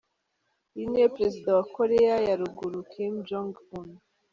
uyu niwe perezida wa Koreya ya ruguru Kim Jong Un.